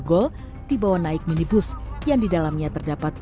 gol dibawa naik minibus yang didalamnya terdapat